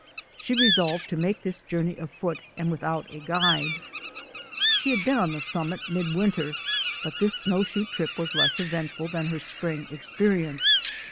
She resolved to make this journey afoot and without a guide. She had been on the summit mid winter, but this snowshoe trip was less eventful than her spring experience.